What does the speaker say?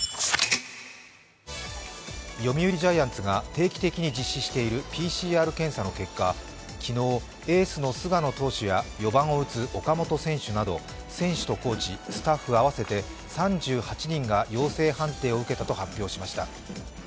読売ジャイアンツが定期的に実施しているＰＣＲ検査の結果、昨日、エースの菅野投手や４番を打つ岡本選手など、選手とコーチ、スタッフ合わせて３８人が陽性判定を受けたと発表しました。